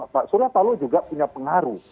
pak surya paloh juga punya pengaruh